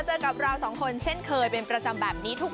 อุ๊ยสนุกยิ่งกว่าผู้เขาร่วมงานก็เห็นจะเป็นเจ้าม้าเหล่านี้แหละค่ะ